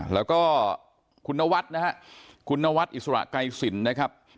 แล้วก็คุณวัฒนะครับคุณนวัฒอิสรกัยศิลป์นะครับ